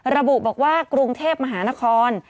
ระบุบอกว่ากรุงเทพมหานคร